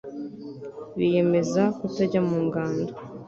biyemeza kutajya mu ngando